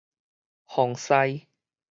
奉祀